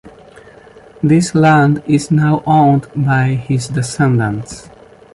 This land is now owned by his descendants.